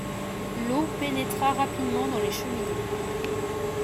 L'eau pénétra rapidement dans les cheminées.